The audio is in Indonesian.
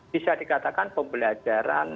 bisa dikatakan pembelajaran